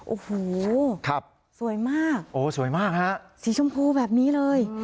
โอ้โหสวยมากสีชมพูแบบนี้เลย